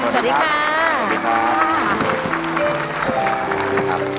สวัสดีค่ะ